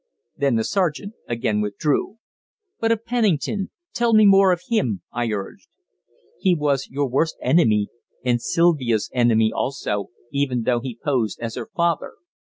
Then the sergeant again withdrew. "But of Pennington. Tell me more of him," I urged. "He was your worst enemy, and Sylvia's enemy also, even though he posed as her father.